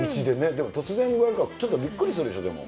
でも、突然言われたらちょっとびっくりするでしょ。